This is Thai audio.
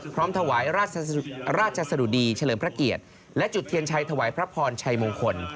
พร้อมถวายราชสะดุดีเฉลิมพระเกียรติและจุดเทียนชัยถวายพระพรชัยมงคล